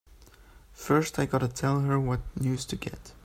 First I gotta tell her what news to get!